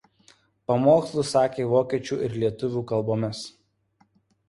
Pamokslus sakė vokiečių ir lietuvių kalbomis.